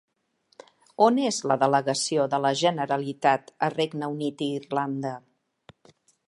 On és la delegació de la Generalitat a Regne Unit i Irlanda?